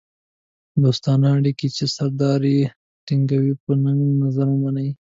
دوستانه اړیکې چې سردار یې ټینګوي په نېک نظر ومني.